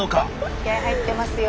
気合い入ってますよ